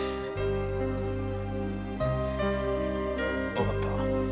分かった。